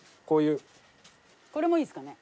これもいいですかね？